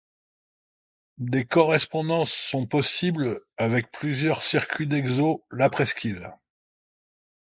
Des correspondances sont possibles avec plusieurs circuits d'exo La Presqu'Île.